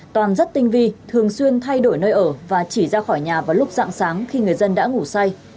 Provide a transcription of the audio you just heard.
toàn rất tinh vi thường xuyên thay đổi nơi ở và chỉ ra khỏi nhà vào lúc dạng sáng khi người dân đã ngủ say